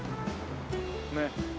ねえ。